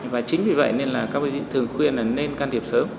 và chính vì vậy nên là các bệnh viện thường khuyên là nên can thiệp sớm